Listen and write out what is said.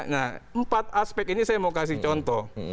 nah empat aspek ini saya mau kasih contoh